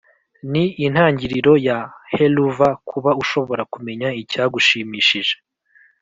"ni intangiriro ya helluva, kuba ushobora kumenya icyagushimishije."